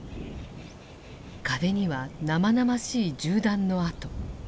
壁には生々しい銃弾の痕。